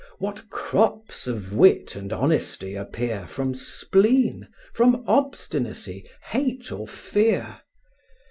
What crops of wit and honesty appear From spleen, from obstinacy, hate, or fear!